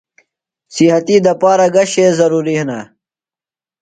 صحتی دپارہ گہ شئے ضرُوریۡ ہِنہ؟